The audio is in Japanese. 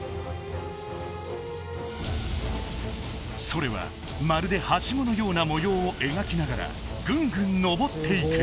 それはまるでハシゴのような模様を描きながらぐんぐんのぼっていく